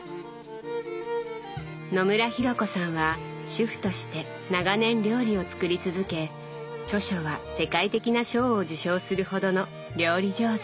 野村紘子さんは主婦として長年料理を作り続け著書は世界的な賞を受賞するほどの料理上手。